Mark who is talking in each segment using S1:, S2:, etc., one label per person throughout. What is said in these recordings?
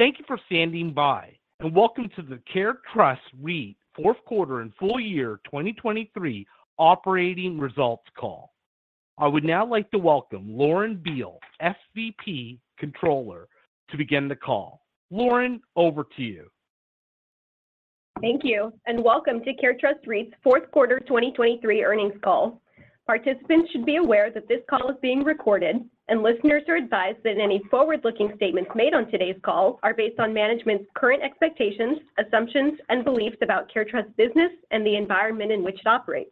S1: Thank you for standing by, and welcome to the CareTrust REIT Q4 and Full Year 2023 Operating Results Call. I would now like to welcome Lauren Beale, SVP Controller, to begin the call. Lauren, over to you.
S2: Thank you, and welcome to CareTrust REIT's Q4 2023 earnings call. Participants should be aware that this call is being recorded, and listeners are advised that any forward-looking statements made on today's call are based on management's current expectations, assumptions, and beliefs about CareTrust business and the environment in which it operates.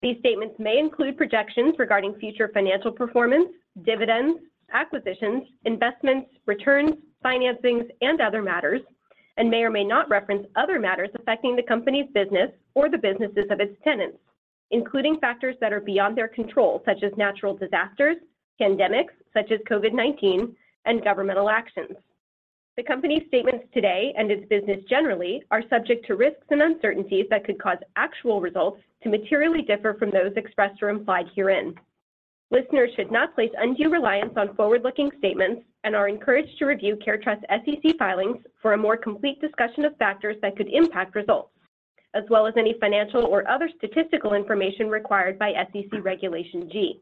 S2: These statements may include projections regarding future financial performance, dividends, acquisitions, investments, returns, financings, and other matters, and may or may not reference other matters affecting the company's business or the businesses of its tenants, including factors that are beyond their control, such as natural disasters, pandemics, such as COVID-19, and governmental actions. The company's statements today and its business generally are subject to risks and uncertainties that could cause actual results to materially differ from those expressed or implied herein. Listeners should not place undue reliance on forward-looking statements and are encouraged to review CareTrust's SEC filings for a more complete discussion of factors that could impact results, as well as any financial or other statistical information required by SEC Regulation G.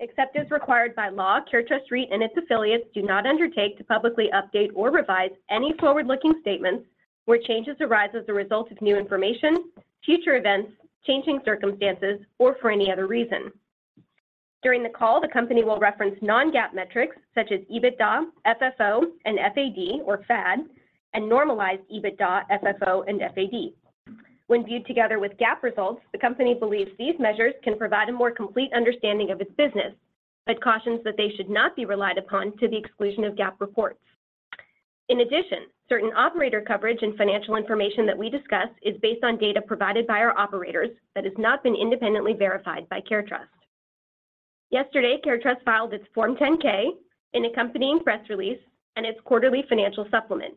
S2: Except as required by law, CareTrust REIT and its affiliates do not undertake to publicly update or revise any forward-looking statements where changes arise as a result of new information, future events, changing circumstances, or for any other reason. During the call, the company will reference non-GAAP metrics such as EBITDA, FFO, and FAD, or FAD, and normalized EBITDA, FFO, and FAD. When viewed together with GAAP results, the company believes these measures can provide a more complete understanding of its business, but cautions that they should not be relied upon to the exclusion of GAAP reports. In addition, certain operator coverage and financial information that we discuss is based on data provided by our operators that has not been independently verified by CareTrust. Yesterday, CareTrust filed its Form 10-K and its accompanying press release and its quarterly financial supplement,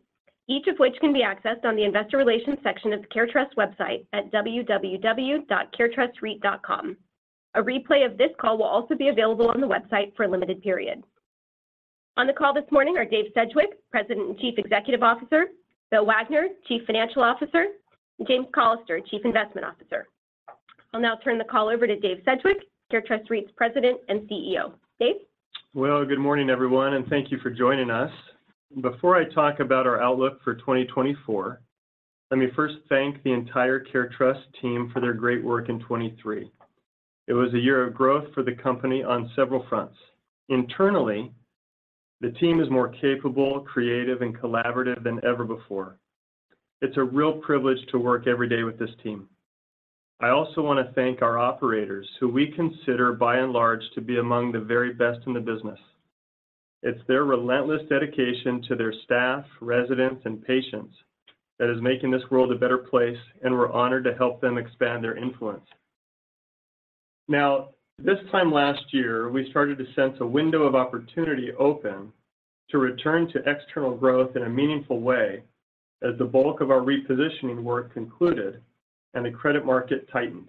S2: each of which can be accessed on the Investor Relations section of the CareTrust website at www.caretrustreit.com. A replay of this call will also be available on the website for a limited period. On the call this morning are Dave Sedgwick, President and Chief Executive Officer, Will Wagner, Chief Financial Officer, and James Callister, Chief Investment Officer. I'll now turn the call over to Dave Sedgwick, CareTrust REIT's President and CEO. Dave?
S3: Well, good morning, everyone, and thank you for joining us. Before I talk about our outlook for 2024, let me first thank the entire CareTrust team for their great work in 2023. It was a year of growth for the company on several fronts. Internally, the team is more capable, creative and collaborative than ever before. It's a real privilege to work every day with this team. I also want to thank our operators, who we consider by and large to be among the very best in the business. It's their relentless dedication to their staff, residents, and patients that is making this world a better place, and we're honored to help them expand their influence. Now, this time last year, we started to sense a window of opportunity open to return to external growth in a meaningful way as the bulk of our repositioning work concluded and the credit market tightened.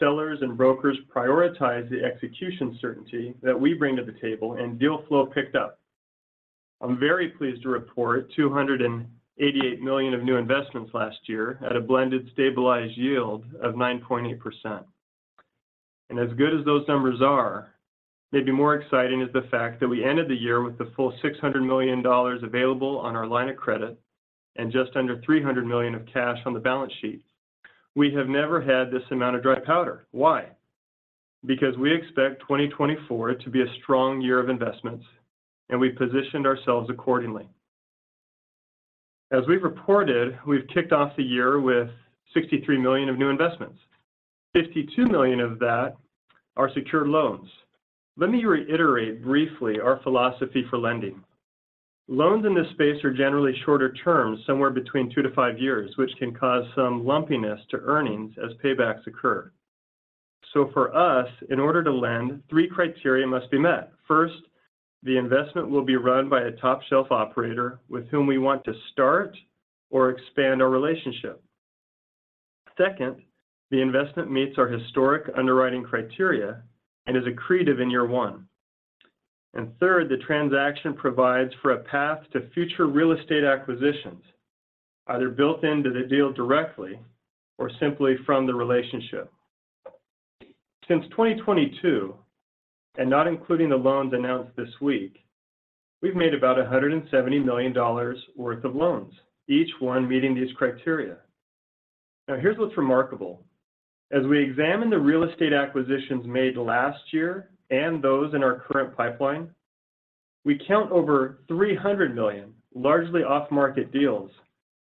S3: Sellers and brokers prioritized the execution certainty that we bring to the table, and deal flow picked up. I'm very pleased to report $288 million of new investments last year at a blended stabilized yield of 9.8%. And as good as those numbers are, maybe more exciting is the fact that we ended the year with the full $600 million available on our line of credit and just under $300 million of cash on the balance sheet. We have never had this amount of dry powder. Why? Because we expect 2024 to be a strong year of investments, and we positioned ourselves accordingly. As we've reported, we've kicked off the year with $63 million of new investments. $52 million of that are secured loans. Let me reiterate briefly our philosophy for lending. Loans in this space are generally shorter term, somewhere between 2-5 years, which can cause some lumpiness to earnings as paybacks occur. So for us, in order to lend, three criteria must be met. First, the investment will be run by a top-shelf operator with whom we want to start or expand our relationship. Second, the investment meets our historic underwriting criteria and is accretive in year one. And third, the transaction provides for a path to future real estate acquisitions, either built into the deal directly or simply from the relationship. Since 2022, and not including the loans announced this week, we've made about $170 million worth of loans, each one meeting these criteria. Now, here's what's remarkable. As we examine the real estate acquisitions made last year and those in our current pipeline, we count over $300 million, largely off-market deals,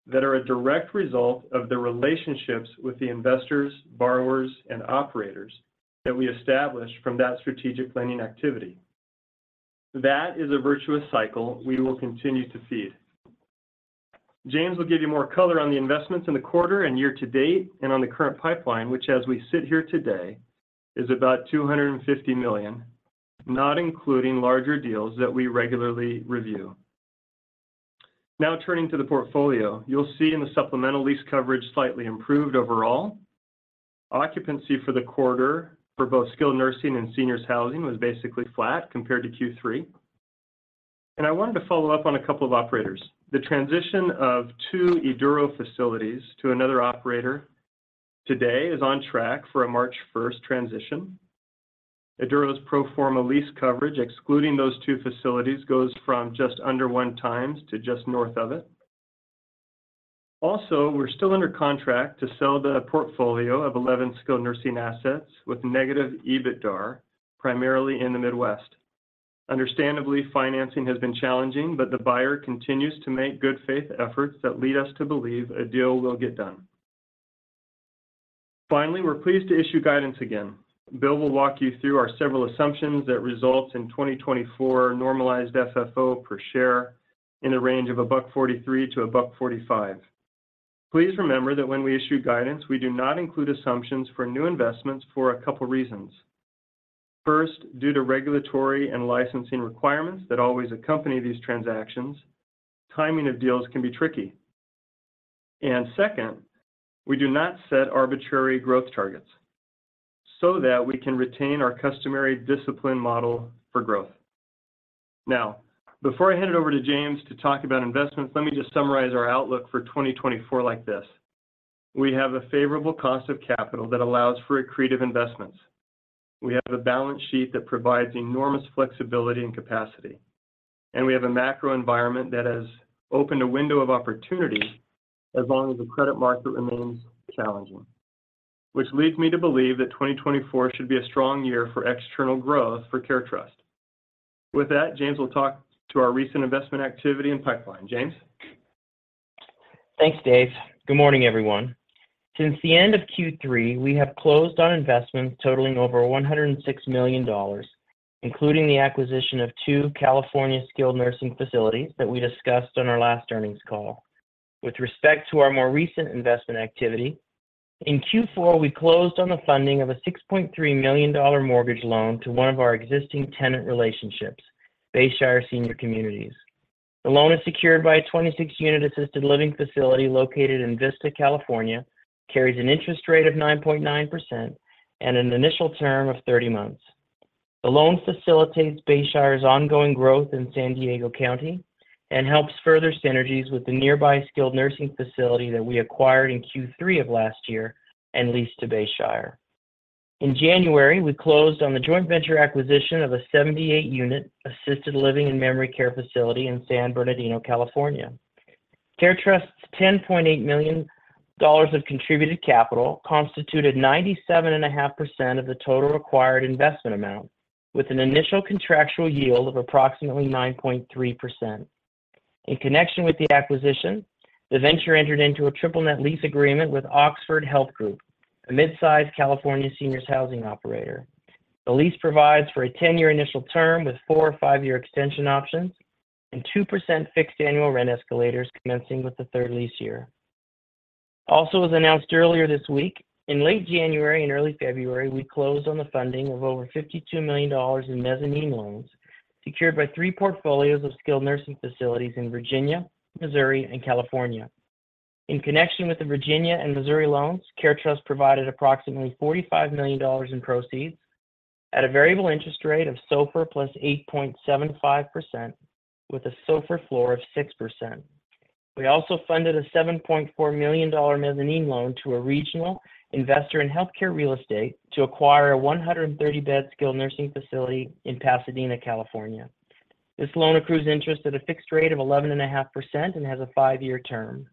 S3: that are a direct result of the relationships with the investors, borrowers, and operators that we established from that strategic planning activity. That is a virtuous cycle we will continue to feed. James will give you more color on the investments in the quarter and year to date and on the current pipeline, which as we sit here today, is about $250 million, not including larger deals that we regularly review. Now turning to the portfolio. You'll see in the supplemental lease coverage slightly improved overall. Occupancy for the quarter for both skilled nursing and seniors housing was basically flat compared to Q3. And I wanted to follow up on a couple of operators. The transition of two Eduro facilities to another operator today is on track for a March first transition. Eduro's pro forma lease coverage, excluding those two facilities, goes from just under 1x to just north of it. Also, we're still under contract to sell the portfolio of 11 skilled nursing assets with negative EBITDA, primarily in the Midwest. Understandably, financing has been challenging, but the buyer continues to make good faith efforts that lead us to believe a deal will get done. Finally, we're pleased to issue guidance again. Will will walk you through our several assumptions that result in 2024 normalized FFO per share in a range of $1.43-$1.45. Please remember that when we issue guidance, we do not include assumptions for new investments for a couple reasons. First, due to regulatory and licensing requirements that always accompany these transactions, timing of deals can be tricky. Second, we do not set arbitrary growth targets so that we can retain our customary discipline model for growth. Now, before I hand it over to James to talk about investments, let me just summarize our outlook for 2024 like this: We have a favorable cost of capital that allows for accretive investments. We have a balance sheet that provides enormous flexibility and capacity, and we have a macro environment that has opened a window of opportunity as long as the credit market remains challenging, which leads me to believe that 2024 should be a strong year for external growth for CareTrust. With that, James will talk to our recent investment activity and pipeline. James?
S4: Thanks, Dave. Good morning, everyone. Since the end of Q3, we have closed on investments totaling over $106 million, including the acquisition of two California skilled nursing facilities that we discussed on our last earnings call. With respect to our more recent investment activity, in Q4, we closed on the funding of a $6.3 million mortgage loan to one of our existing tenant relationships, Bayshire Senior Communities. The loan is secured by a 26-unit assisted living facility located in Vista, California, carries an interest rate of 9.9% and an initial term of 30 months. The loan facilitates Bayshire's ongoing growth in San Diego County and helps further synergies with the nearby skilled nursing facility that we acquired in Q3 of last year and leased to Bayshire. In January, we closed on the joint venture acquisition of a 78-unit assisted living and memory care facility in San Bernardino, California. CareTrust's $10.8 million of contributed capital constituted 97.5% of the total acquired investment amount, with an initial contractual yield of approximately 9.3%. In connection with the acquisition, the venture entered into a triple net lease agreement with Oxford Health Group, a mid-sized California seniors housing operator. The lease provides for a 10-year initial term with four 5-year extension options and 2% fixed annual rent escalators commencing with the third lease year. Also, as announced earlier this week, in late January and early February, we closed on the funding of over $52 million in mezzanine loans secured by three portfolios of skilled nursing facilities in Virginia, Missouri, and California. In connection with the Virginia and Missouri loans, CareTrust provided approximately $45 million in proceeds at a variable interest rate of SOFR + 8.75%, with a SOFR floor of 6%. We also funded a $7.4 million mezzanine loan to a regional investor in healthcare real estate to acquire a 130-bed skilled nursing facility in Pasadena, California. This loan accrues interest at a fixed rate of 11.5% and has a 5-year term.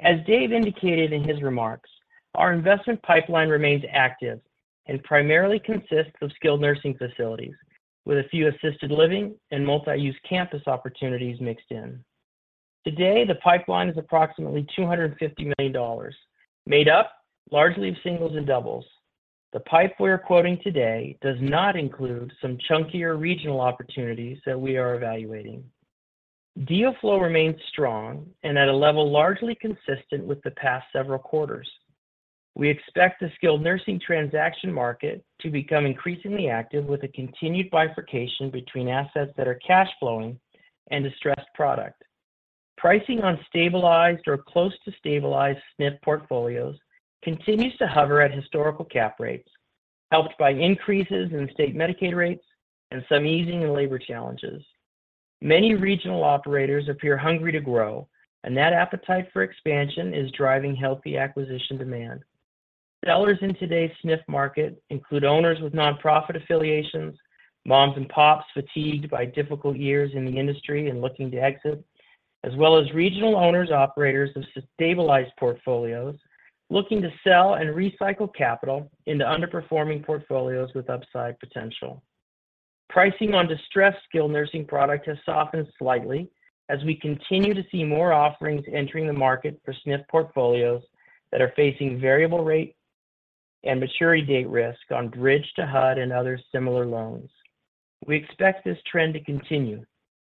S4: As Dave indicated in his remarks, our investment pipeline remains active and primarily consists of skilled nursing facilities, with a few assisted living and multi-use campus opportunities mixed in. Today, the pipeline is approximately $250 million, made up largely of singles and doubles. The pipe we're quoting today does not include some chunkier regional opportunities that we are evaluating. Deal flow remains strong and at a level largely consistent with the past several quarters. We expect the skilled nursing transaction market to become increasingly active, with a continued bifurcation between assets that are cash flowing and distressed product. Pricing on stabilized or close to stabilized SNF portfolios continues to hover at historical cap rates, helped by increases in state Medicaid rates and some easing in labor challenges. Many regional operators appear hungry to grow, and that appetite for expansion is driving healthy acquisition demand. Sellers in today's SNF market include owners with nonprofit affiliations, moms and pops fatigued by difficult years in the industry and looking to exit, as well as regional owners/operators of stabilized portfolios looking to sell and recycle capital into underperforming portfolios with upside potential. Pricing on distressed skilled nursing product has softened slightly as we continue to see more offerings entering the market for SNF portfolios that are facing variable rate and maturity date risk on bridge to HUD and other similar loans. We expect this trend to continue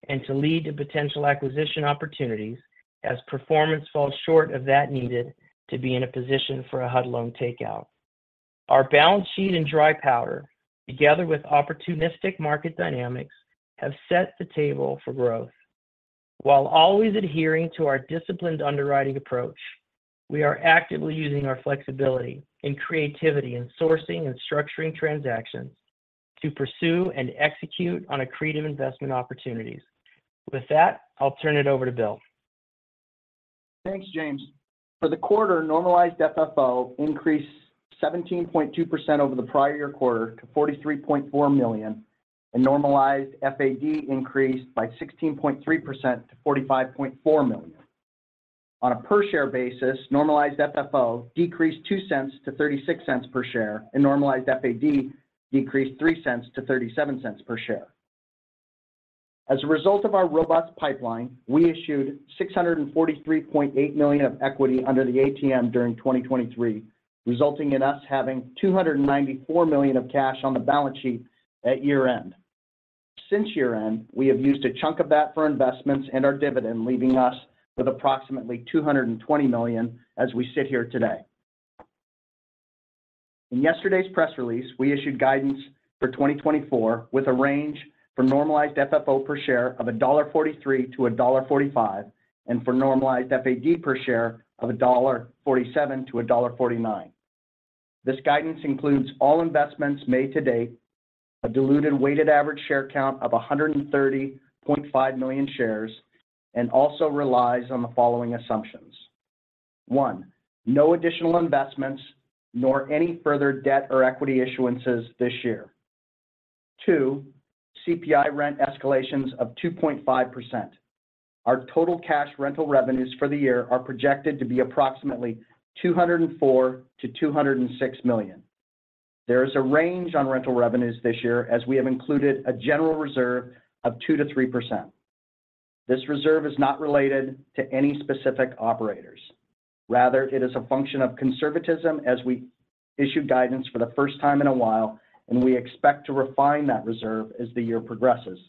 S4: and to lead to potential acquisition opportunities as performance falls short of that needed to be in a position for a HUD loan takeout. Our balance sheet and dry powder, together with opportunistic market dynamics, have set the table for growth. While always adhering to our disciplined underwriting approach, we are actively using our flexibility and creativity in sourcing and structuring transactions to pursue and execute on accretive investment opportunities. With that, I'll turn it over to Will.
S5: Thanks, James. For the quarter, normalized FFO increased 17.2% over the prior year quarter to $43.4 million, and normalized FAD increased by 16.3% to $45.4 million. On a per share basis, normalized FFO decreased $0.02 to $0.36 per share, and normalized FAD decreased $0.03 to $0.37 per share. As a result of our robust pipeline, we issued $643.8 million of equity under the ATM during 2023, resulting in us having $294 million of cash on the balance sheet at year-end. Since year-end, we have used a chunk of that for investments and our dividend, leaving us with approximately $220 million as we sit here today. In yesterday's press release, we issued guidance for 2024, with a range for normalized FFO per share of $1.43-$1.45, and for normalized FAD per share of $1.47-$1.49. This guidance includes all investments made to date, a diluted weighted average share count of 130.5 million shares, and also relies on the following assumptions: 1, no additional investments, nor any further debt or equity issuances this year. 2, CPI rent escalations of 2.5%. Our total cash rental revenues for the year are projected to be approximately $204 million-$206 million. There is a range on rental revenues this year, as we have included a general reserve of 2%-3%. This reserve is not related to any specific operators. Rather, it is a function of conservatism as we issue guidance for the first time in a while, and we expect to refine that reserve as the year progresses.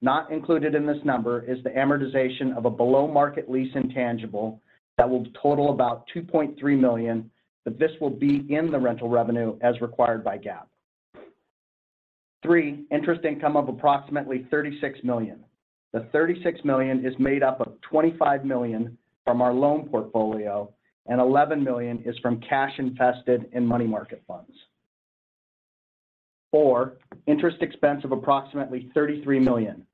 S5: Not included in this number is the amortization of a below-market lease intangible that will total about $2.3 million, but this will be in the rental revenue as required by GAAP. Three, interest income of approximately $36 million. The $36 million is made up of $25 million from our loan portfolio, and $11 million is from cash invested in money market funds. Four, interest expense of approximately $33 million.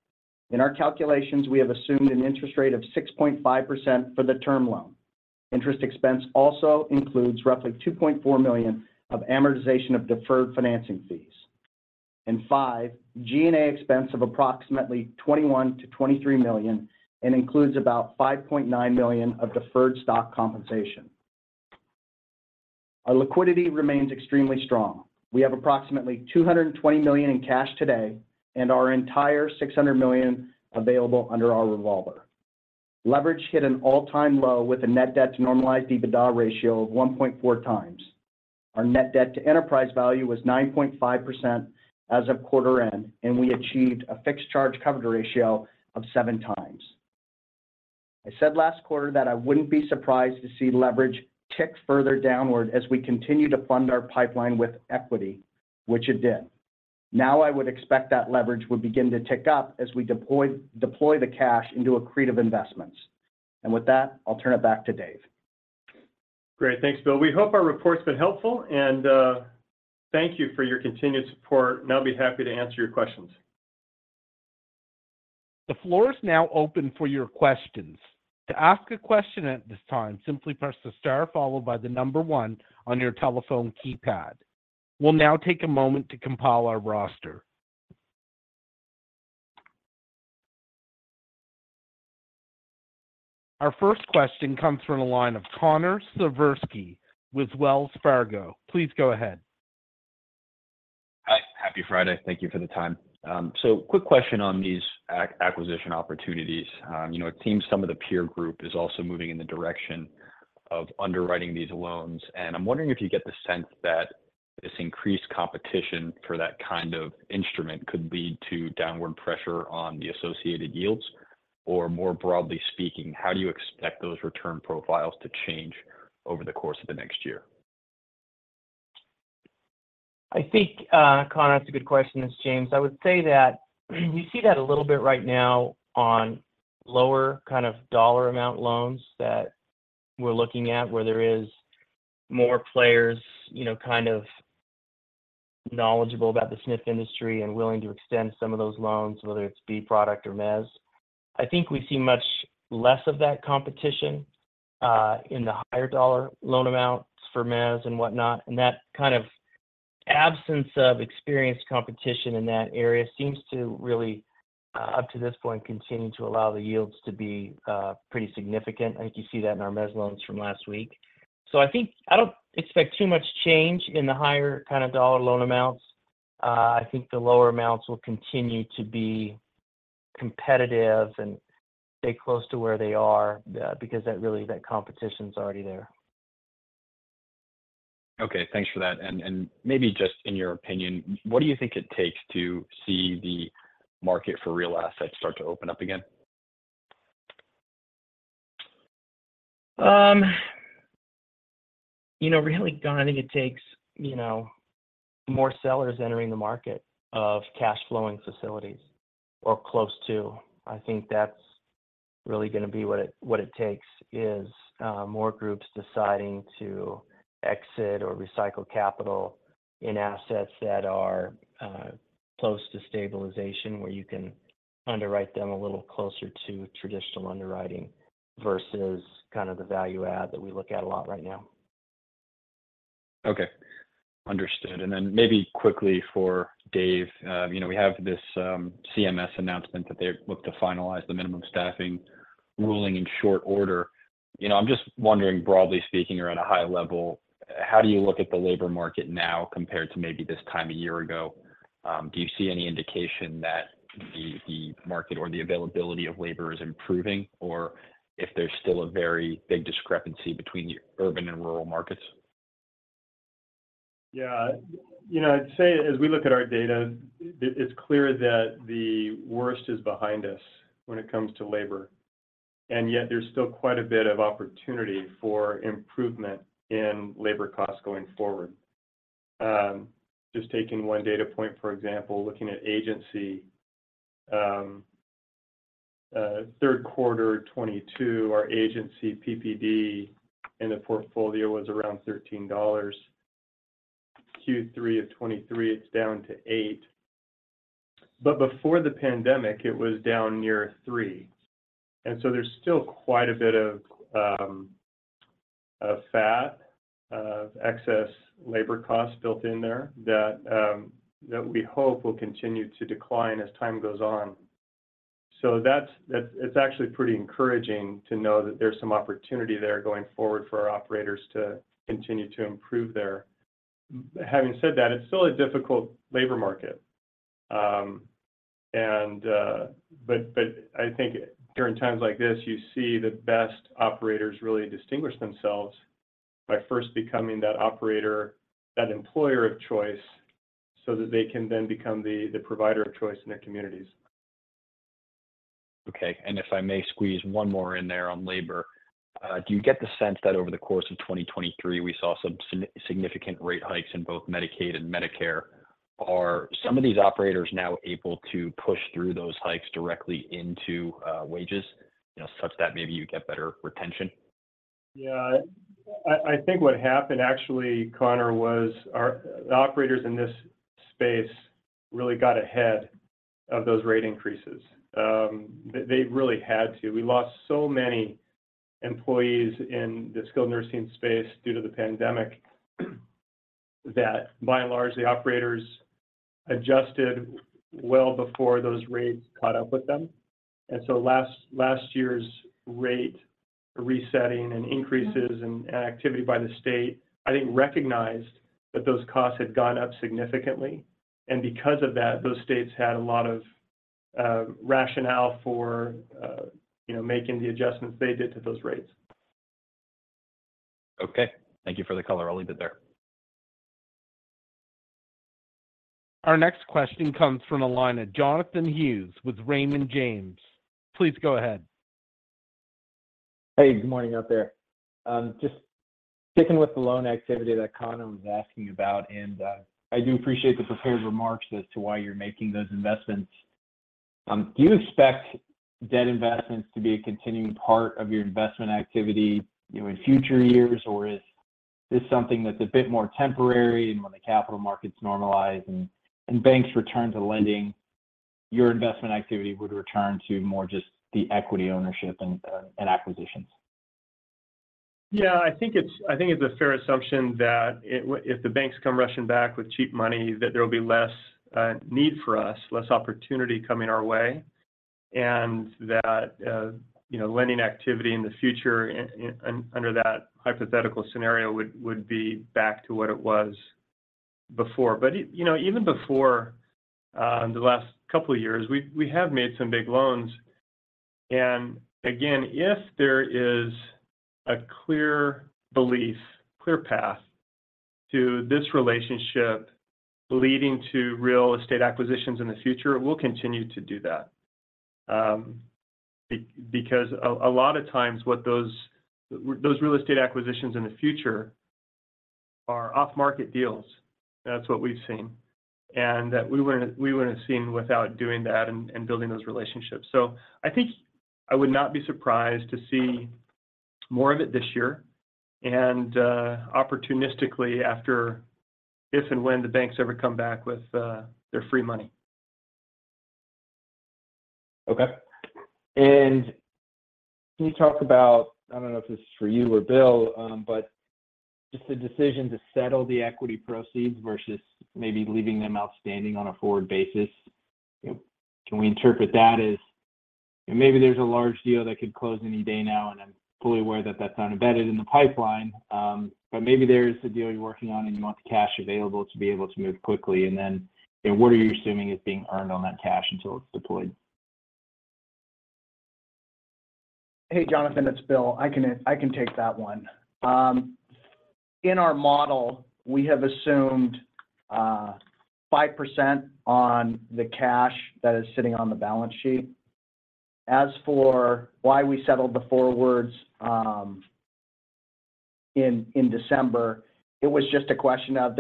S5: In our calculations, we have assumed an interest rate of 6.5% for the term loan. Interest expense also includes roughly $2.4 million of amortization of deferred financing fees. Five, G&A expense of approximately $21 million-$23 million, and includes about $5.9 million of deferred stock compensation. Our liquidity remains extremely strong. We have approximately $220 million in cash today, and our entire $600 million available under our revolver. Leverage hit an all-time low, with a net debt to normalized EBITDA ratio of 1.4x. Our net debt to enterprise value was 9.5% as of quarter end, and we achieved a fixed charge coverage ratio of 7x. I said last quarter that I wouldn't be surprised to see leverage tick further downward as we continue to fund our pipeline with equity, which it did. Now, I would expect that leverage would begin to tick up as we deploy, deploy the cash into accretive investments. And with that, I'll turn it back to Dave.
S3: Great. Thanks, Will. We hope our report's been helpful, and thank you for your continued support, and I'll be happy to answer your questions.
S1: The floor is now open for your questions. To ask a question at this time, simply press the star followed by the number one on your telephone keypad. We'll now take a moment to compile our roster. Our first question comes from the line of Connor Siversky with Wells Fargo. Please go ahead.
S6: Hi. Happy Friday. Thank you for the time. So quick question on these acquisition opportunities. You know, it seems some of the peer group is also moving in the direction of underwriting these loans, and I'm wondering if you get the sense that this increased competition for that kind of instrument could lead to downward pressure on the associated yields, or more broadly speaking, how do you expect those return profiles to change over the course of the next year?
S4: I think, Connor, that's a good question. It's James. I would say that, we see that a little bit right now on lower kind of dollar amount loans that we're looking at, where there is more players, you know, kind of knowledgeable about the SNF industry and willing to extend some of those loans, whether it's B product or mezz. I think we see much less of that competition in the higher dollar loan amounts for mezz and whatnot, and that kind of absence of experienced competition in that area seems to really, up to this point, continue to allow the yields to be pretty significant. I think you see that in our mezz loans from last week. So I think... I don't expect too much change in the higher kind of dollar loan amounts. I think the lower amounts will continue to be competitive and stay close to where they are, because that really, that competition's already there.
S6: Okay, thanks for that. And maybe just in your opinion, what do you think it takes to see the market for real assets start to open up again?...
S4: You know, really, Connor, I think it takes, you know, more sellers entering the market of cash flowing facilities or close to. I think that's really going to be what it, what it takes, is more groups deciding to exit or recycle capital in assets that are close to stabilization, where you can underwrite them a little closer to traditional underwriting versus kind of the value add that we look at a lot right now.
S6: Okay. Understood. And then maybe quickly for Dave, you know, we have this CMS announcement that they look to finalize the minimum staffing ruling in short order. You know, I'm just wondering, broadly speaking, or at a high level, how do you look at the labor market now compared to maybe this time a year ago? Do you see any indication that the market or the availability of labor is improving, or if there's still a very big discrepancy between the urban and rural markets?
S3: Yeah. You know, I'd say, as we look at our data, it's clear that the worst is behind us when it comes to labor, and yet there's still quite a bit of opportunity for improvement in labor costs going forward. Just taking one data point, for example, looking at agency, Q3 2022, our agency PPD in the portfolio was around $13. Q3 of 2023, it's down to $8. But before the pandemic, it was down near $3, and so there's still quite a bit of fat, of excess labor costs built in there that we hope will continue to decline as time goes on. So that's, that it's actually pretty encouraging to know that there's some opportunity there going forward for our operators to continue to improve there. Having said that, it's still a difficult labor market. But I think during times like this, you see the best operators really distinguish themselves by first becoming that operator, that employer of choice, so that they can then become the provider of choice in their communities.
S6: Okay. And if I may squeeze one more in there on labor. Do you get the sense that over the course of 2023, we saw some significant rate hikes in both Medicaid and Medicare? Are some of these operators now able to push through those hikes directly into wages, you know, such that maybe you get better retention?
S3: Yeah. I, I think what happened actually, Connor, was our, the operators in this space really got ahead of those rate increases. They, they really had to. We lost so many employees in the skilled nursing space due to the pandemic, that by and large, the operators adjusted well before those rates caught up with them. And so last, last year's rate resetting and increases and, and activity by the state, I think, recognized that those costs had gone up significantly, and because of that, those states had a lot of rationale for, you know, making the adjustments they did to those rates.
S6: Okay. Thank you for the color all you did there.
S1: Our next question comes from the line of Jonathan Hughes with Raymond James. Please go ahead.
S7: Hey, good morning out there. Just sticking with the loan activity that Connor was asking about, and I do appreciate the prepared remarks as to why you're making those investments. Do you expect debt investments to be a continuing part of your investment activity, you know, in future years? Or is this something that's a bit more temporary, and when the capital markets normalize and banks return to lending, your investment activity would return to more just the equity ownership and acquisitions?
S3: Yeah, I think it's a fair assumption that if the banks come rushing back with cheap money, that there will be less need for us, less opportunity coming our way, and that, you know, lending activity in the future, under that hypothetical scenario, would be back to what it was before. But you know, even before the last couple of years, we have made some big loans. And again, if there is a clear belief, clear path to this relationship leading to real estate acquisitions in the future, we'll continue to do that. Because a lot of times, what those real estate acquisitions in the future are off-market deals. That's what we've seen, and that we wouldn't have seen without doing that and building those relationships. I think I would not be surprised to see more of it this year, and opportunistically, after if and when the banks ever come back with their free money.
S7: Okay. And can you talk about... I don't know if this is for you or Will, but just the decision to settle the equity proceeds versus maybe leaving them outstanding on a forward basis. You know, can we interpret that as, maybe there's a large deal that could close any day now, and I'm fully aware that that's not embedded in the pipeline, but maybe there is a deal you're working on, and you want the cash available to be able to move quickly. And then, and what are you assuming is being earned on that cash until it's deployed?
S5: Hey, Jonathan, it's Will. I can, I can take that one. ... In our model, we have assumed 5% on the cash that is sitting on the balance sheet. As for why we settled the forwards in December, it was just a question of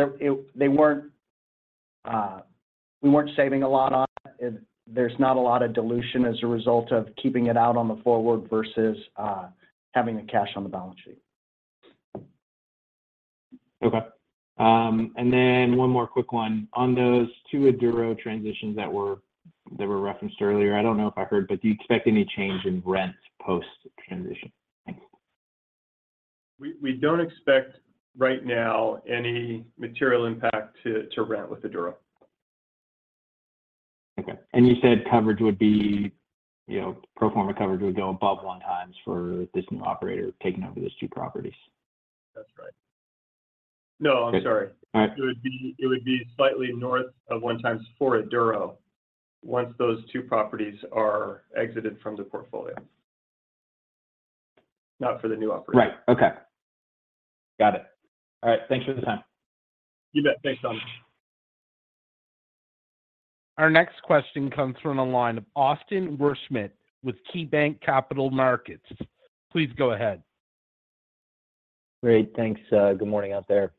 S5: they weren't saving a lot on it. There's not a lot of dilution as a result of keeping it out on the forward versus having the cash on the balance sheet.
S7: Okay. And then one more quick one. On those two Eduro transitions that were referenced earlier, I don't know if I heard, but do you expect any change in rent post-transition? Thanks.
S3: We don't expect right now any material impact to rent with Eduro.
S7: Okay. And you said coverage would be, you know, pro forma coverage would go above 1x for this new operator taking over these two properties?
S3: That's right. No, I'm sorry.
S7: All right.
S3: It would be slightly north of 1x for Eduro, once those two properties are exited from the portfolio, not for the new operator.
S7: Right. Okay. Got it. All right, thanks for the time.
S3: You bet. Thanks, Tommy.
S1: Our next question comes from the line of Austin Wurschmidt with KeyBank Capital Markets. Please go ahead.
S8: Great, thanks. Good morning out there.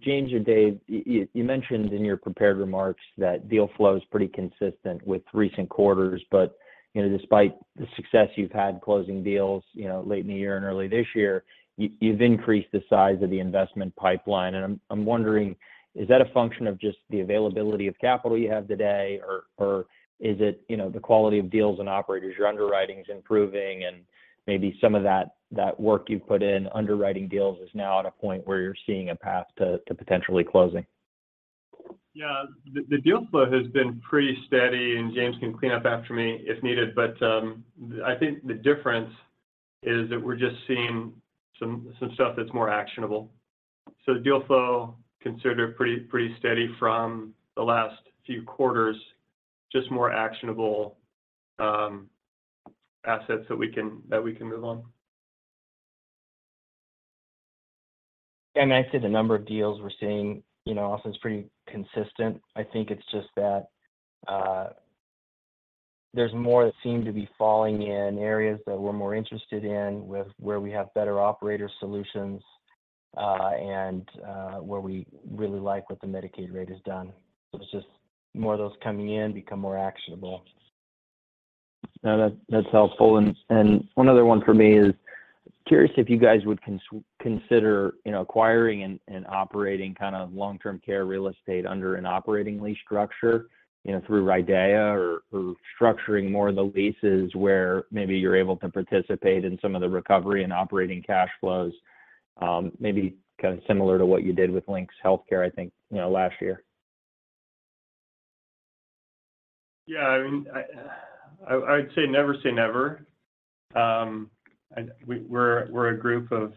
S8: James or Dave, you mentioned in your prepared remarks that deal flow is pretty consistent with recent quarters, but, you know, despite the success you've had closing deals, you know, late in the year and early this year, you've increased the size of the investment pipeline. And I'm wondering, is that a function of just the availability of capital you have today, or is it, you know, the quality of deals and operators, your underwriting is improving, and maybe some of that work you've put in underwriting deals is now at a point where you're seeing a path to potentially closing?
S3: Yeah, the deal flow has been pretty steady, and James can clean up after me if needed, but I think the difference is that we're just seeing some stuff that's more actionable. So the deal flow considered pretty steady from the last few quarters, just more actionable assets that we can move on.
S5: I'd say the number of deals we're seeing, you know, Austin, is pretty consistent. I think it's just that, there's more that seem to be falling in areas that we're more interested in, with where we have better operator solutions, and where we really like what the Medicaid rate has done. So it's just more of those coming in become more actionable.
S8: No, that's helpful. And one other one for me is, curious if you guys would consider, you know, acquiring and operating long-term care real estate under an operating lease structure, you know, through RIDEA or through structuring more of the leases, where maybe you're able to participate in some of the recovery and operating cash flows, maybe kind of similar to what you did with Lynx Healthcare, I think, you know, last year.
S3: Yeah, I mean, I'd say never say never. And we're a group of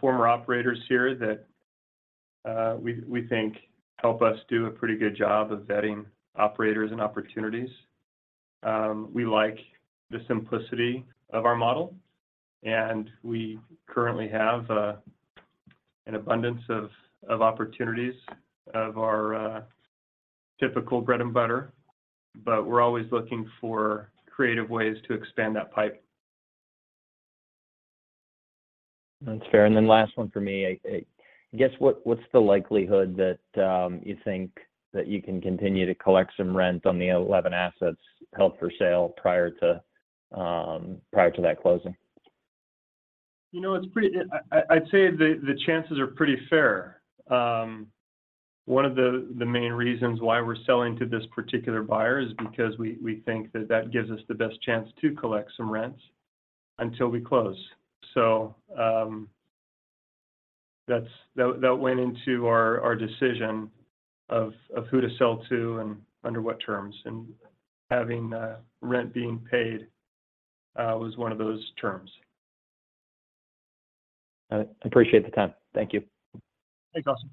S3: former operators here that we think help us do a pretty good job of vetting operators and opportunities. We like the simplicity of our model, and we currently have an abundance of opportunities of our typical bread and butter, but we're always looking for creative ways to expand that pipe.
S8: That's fair. And then last one for me, I guess, what's the likelihood that you think that you can continue to collect some rent on the 11 assets held for sale prior to that closing?
S3: You know, it's pretty. I'd say the chances are pretty fair. One of the main reasons why we're selling to this particular buyer is because we think that gives us the best chance to collect some rents until we close. So, that went into our decision of who to sell to and under what terms, and having rent being paid was one of those terms.
S8: I appreciate the time. Thank you.
S3: Thanks, Austin.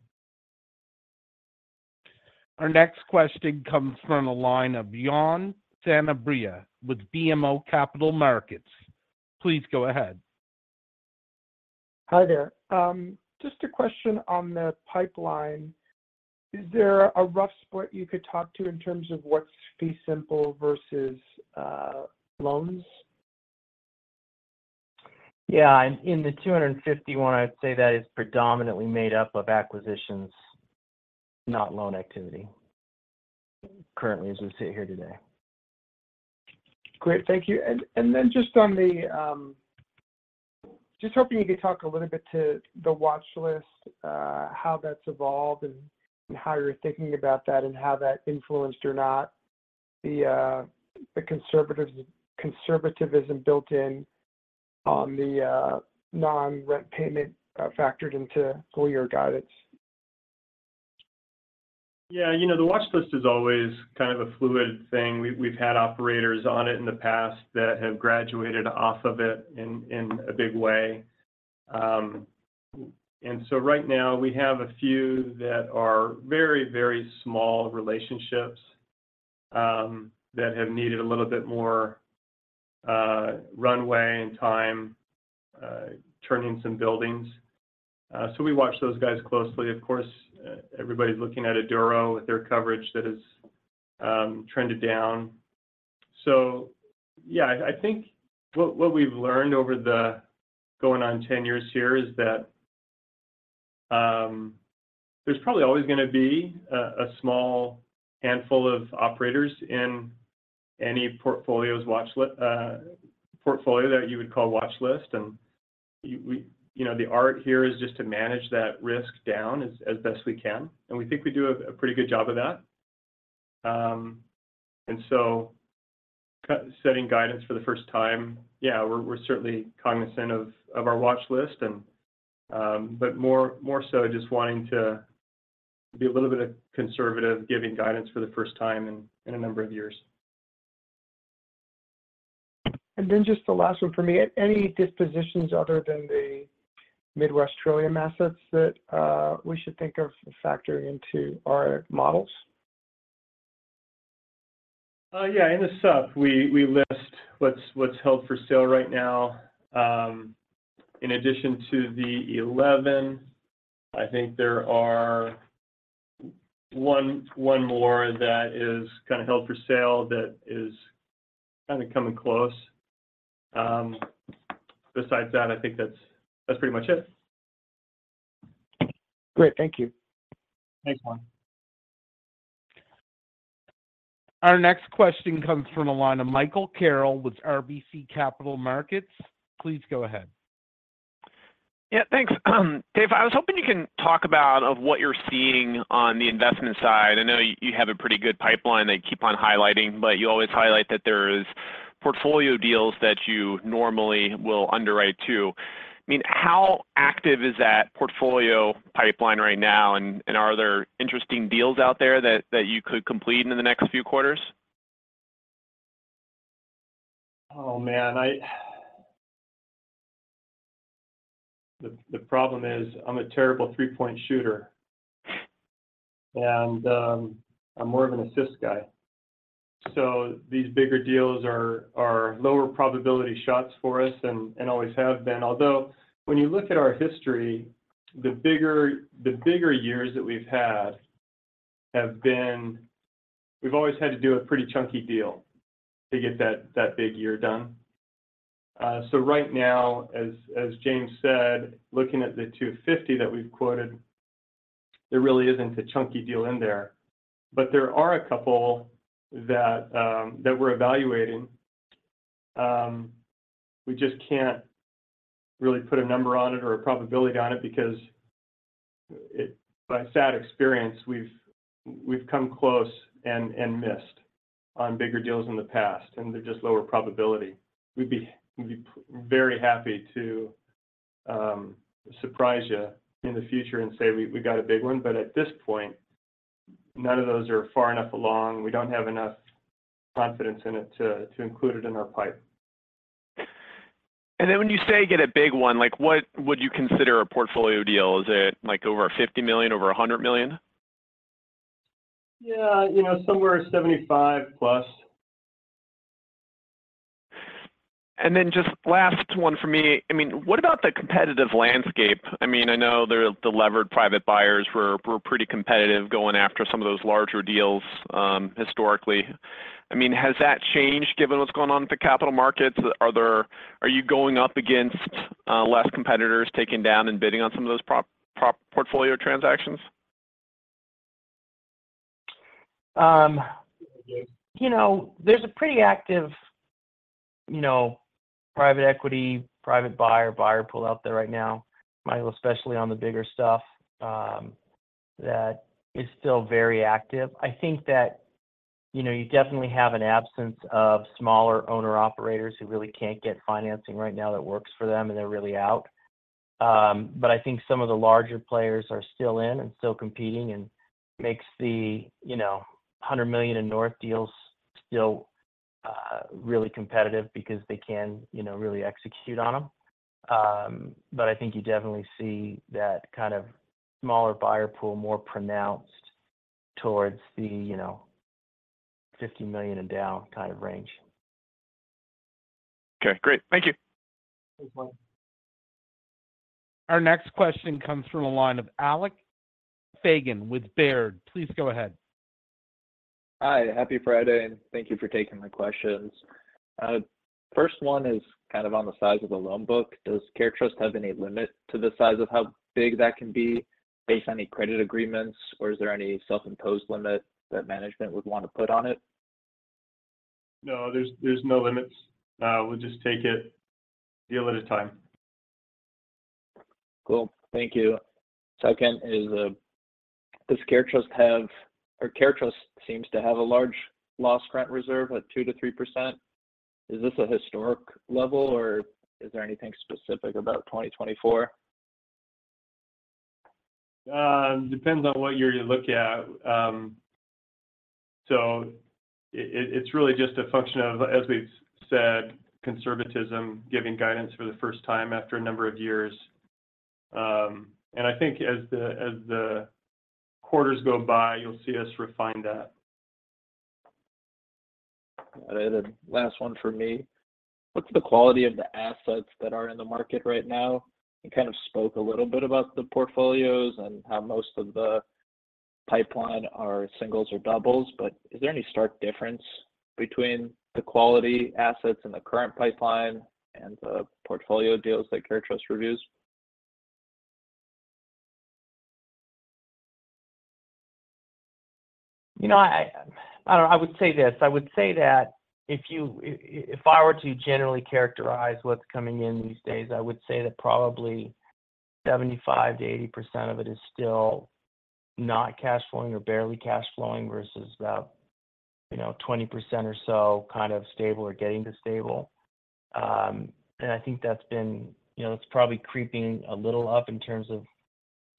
S1: Our next question comes from the line of Juan Sanabria with BMO Capital Markets. Please go ahead.
S9: Hi there. Just a question on the pipeline. Is there a rough split you could talk to in terms of what's fee simple versus loans?
S5: Yeah, in the 251, I'd say that is predominantly made up of acquisitions, not loan activity, currently as we sit here today.
S9: Great. Thank you. And then, just on the just hoping you could talk a little bit to the watchlist, how that's evolved and how you're thinking about that, and how that influenced or not the conservatism built in on the non-rent payment factored into full-year guidance?
S3: Yeah, you know, the watchlist is always kind of a fluid thing. We've had operators on it in the past that have graduated off of it in a big way. And so right now, we have a few that are very, very small relationships that have needed a little bit more runway and time turning some buildings. So we watch those guys closely. Of course, everybody's looking at Eduro with their coverage that has trended down. So yeah, I think what we've learned over the going on ten years here is that there's probably always gonna be a small handful of operators in any portfolio that you would call watch list. You know, the art here is just to manage that risk down as best we can, and we think we do a pretty good job of that. And so setting guidance for the first time, yeah, we're certainly cognizant of our watch list. But more so just wanting to be a little bit of conservative, giving guidance for the first time in a number of years.
S9: And then just the last one for me. Any dispositions other than the Midwest Trillium assets that, we should think of factoring into our models?
S3: Yeah, in the sup, we list what's held for sale right now. In addition to the 11, I think there are 1 more that is kind of held for sale, that is kind of coming close. Besides that, I think that's pretty much it.
S9: Great. Thank you.
S3: Thanks, Juan.
S1: Our next question comes from the line of Michael Carroll with RBC Capital Markets. Please go ahead.
S10: Yeah, thanks. Dave, I was hoping you can talk about what you're seeing on the investment side. I know you have a pretty good pipeline that you keep on highlighting, but you always highlight that there's portfolio deals that you normally will underwrite to. I mean, how active is that portfolio pipeline right now? And are there interesting deals out there that you could complete in the next few quarters?
S3: Oh, man, the problem is, I'm a terrible three-point shooter, and I'm more of an assist guy. So these bigger deals are lower probability shots for us and always have been. Although, when you look at our history, the bigger years that we've had have been. We've always had to do a pretty chunky deal to get that big year done. So right now, as James said, looking at the 250 that we've quoted, there really isn't a chunky deal in there. But there are a couple that we're evaluating. We just can't really put a number on it or a probability on it, because by sad experience, we've come close and missed on bigger deals in the past, and they're just lower probability. We'd be very happy to surprise you in the future and say, "We got a big one." But at this point, none of those are far enough along. We don't have enough confidence in it to include it in our pipe.
S10: And then when you say get a big one, like, what would you consider a portfolio deal? Is it, like, over $50 million, over $100 million?
S3: Yeah, you know, somewhere 75+.
S10: Then just last one for me. I mean, what about the competitive landscape? I mean, I know the levered private buyers were pretty competitive going after some of those larger deals, historically. I mean, has that changed given what's going on with the capital markets? Are you going up against less competitors taking down and bidding on some of those portfolio transactions?
S4: You know, there's a pretty active, you know, private equity, private buyer, buyer pool out there right now, Michael, especially on the bigger stuff, that is still very active. I think that, you know, you definitely have an absence of smaller owner-operators who really can't get financing right now that works for them, and they're really out. But I think some of the larger players are still in and still competing, and makes the, you know, $100 million and north deals still really competitive because they can, you know, really execute on them. But I think you definitely see that kind of smaller buyer pool more pronounced towards the, you know, $50 million and down kind of range.
S10: Okay, great. Thank you.
S3: Thanks, Michael.
S1: Our next question comes from the line of Alec Fagan with Baird. Please go ahead.
S11: Hi, happy Friday, and thank you for taking my questions. First one is kind of on the size of the loan book. Does CareTrust have any limit to the size of how big that can be, based on any credit agreements, or is there any self-imposed limit that management would want to put on it?
S3: No, there's no limits. We'll just take it a deal at a time.
S11: Cool. Thank you. Second is, does CareTrust have... Or CareTrust seems to have a large loss grant reserve at 2%-3%. Is this a historic level, or is there anything specific about 2024?
S3: Depends on what year you look at. So it's really just a function of, as we've said, conservatism, giving guidance for the first time after a number of years. And I think as the quarters go by, you'll see us refine that.
S11: Got it. Last one for me. What's the quality of the assets that are in the market right now? You kind of spoke a little bit about the portfolios, and how most of the pipeline are singles or doubles, but is there any stark difference between the quality assets in the current pipeline and the portfolio deals that CareTrust reviews?
S4: You know, I don't know. I would say this: I would say that if you, if I were to generally characterize what's coming in these days, I would say that probably 75%-80% of it is still not cash flowing or barely cash flowing, versus about, you know, 20% or so kind of stable or getting to stable. And I think that's been you know, it's probably creeping a little up in terms of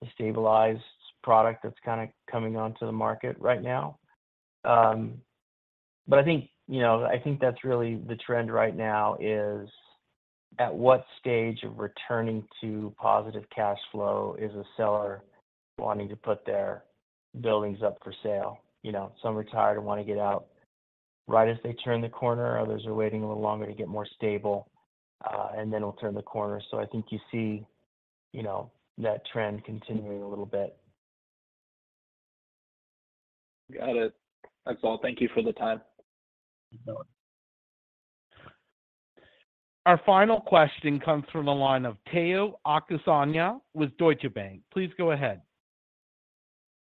S4: the stabilized product that's kind of coming onto the market right now. But I think, you know, I think that's really the trend right now, is at what stage of returning to positive cash flow is a seller wanting to put their buildings up for sale? You know, some are tired and want to get out right as they turn the corner. Others are waiting a little longer to get more stable, and then will turn the corner. So I think you see, you know, that trend continuing a little bit.
S11: Got it. That's all. Thank you for the time.
S4: You're welcome.
S1: Our final question comes from the line of Tayo Okusanya with Deutsche Bank. Please go ahead.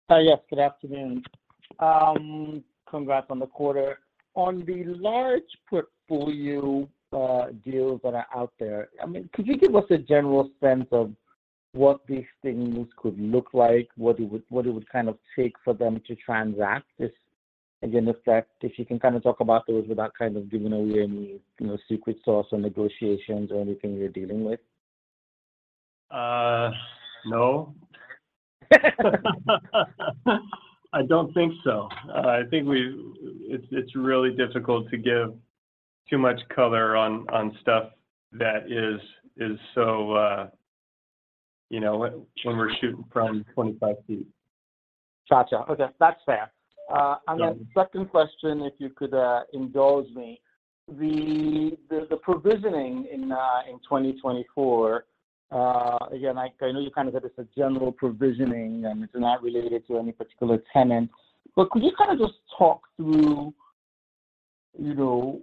S12: Hi, yes. Good afternoon. Congrats on the quarter. On the large portfolio deals that are out there, I mean, could you give us a general sense of what these things could look like? What it would kind of take for them to transact this? Again, if you can kind of talk about those without kind of giving away any, you know, secret sauce on negotiations or anything you're dealing with.
S3: No. I don't think so. I think it's really difficult to give too much color on stuff that is so... You know, when we're shooting from 25 feet.
S12: Gotcha. Okay, that's fair.
S3: Yeah.
S12: And then second question, if you could indulge me. The provisioning in 2024, again, I know you kind of said it's a general provisioning, and it's not related to any particular tenant. But could you kind of just talk through, you know?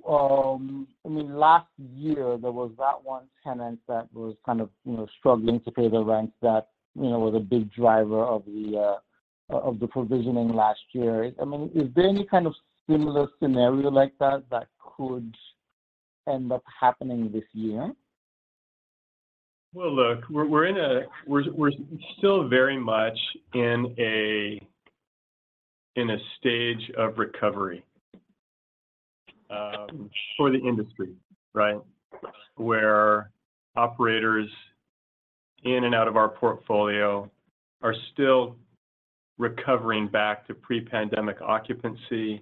S12: I mean, last year there was that one tenant that was kind of, you know, struggling to pay the rent that, you know, was a big driver of the provisioning last year. I mean, is there any kind of similar scenario like that, that could end up happening this year?
S3: Well, look, we're still very much in a stage of recovery for the industry, right? Where operators in and out of our portfolio are still recovering back to pre-pandemic occupancy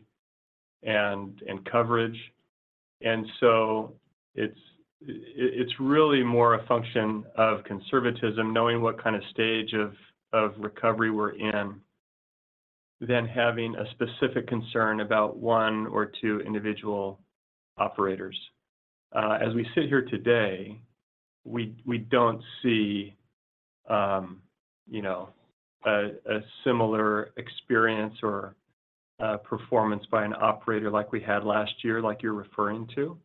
S3: and coverage. So it's really more a function of conservatism, knowing what kind of stage of recovery we're in, than having a specific concern about one or two individual operators. As we sit here today, we don't see you know a similar experience or performance by an operator like we had last year, like you're referring to.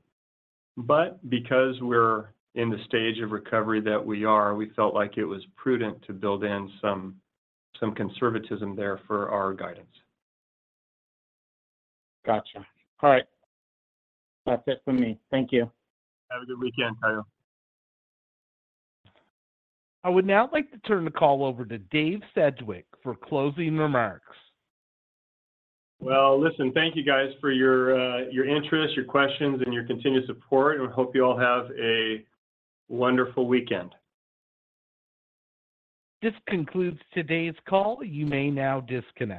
S3: But because we're in the stage of recovery that we are, we felt like it was prudent to build in some conservatism there for our guidance.
S12: Gotcha. All right. That's it for me. Thank you.
S3: Have a good weekend, Tayo.
S1: I would now like to turn the call over to Dave Sedgwick for closing remarks.
S3: Well, listen, thank you guys for your, your interest, your questions, and your continued support, and we hope you all have a wonderful weekend.
S1: This concludes today's call. You may now disconnect.